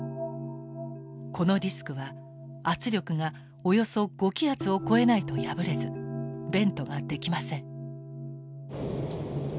このディスクは圧力がおよそ５気圧を超えないと破れずベントができません。